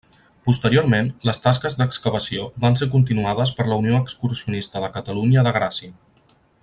Posteriorment les tasques d'excavació van ser continuades per la Unió Excursionista de Catalunya de Gràcia.